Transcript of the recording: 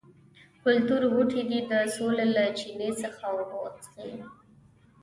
کلتور بوټي دې د سولې له چینې څخه اوبه وڅښي.